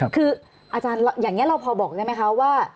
คืออาจารย์อย่างนี้เราพอบอกได้ไหมคะว่า